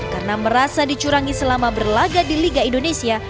karena merasa dicurangi selama berlaga di liga indonesia